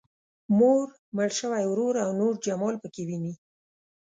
مور، مړ شوی ورور او نور جمال پکې ويني.